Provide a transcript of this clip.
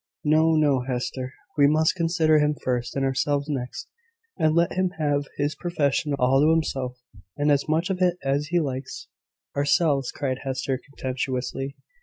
No, no, Hester; we must consider him first, and ourselves next, and let him have his profession all to himself, and as much of it as he likes." "Ourselves!" cried Hester, contemptuously.